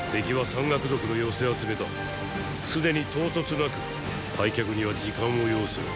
すでに統率なく退却には時間を要する。